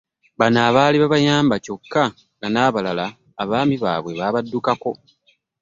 Bano abaali babayamba kyokka nga n'abalala abaami baabwe baabaddukako